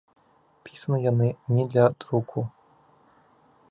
Пісаны яны не для друку.